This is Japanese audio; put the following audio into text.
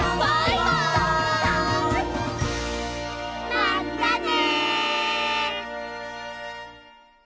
まったね！